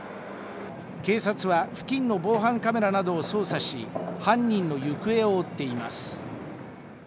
警察は付近の防犯カメラなどを捜査し、犯人の行方を追っています。